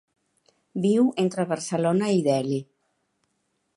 Viu entre Barcelona i Delhi.